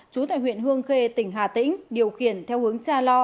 trú tại huyện hương khê tỉnh hà tĩnh điều khiển theo hướng tra lo